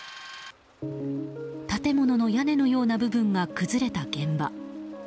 建物の屋根のような部分が崩れた現場。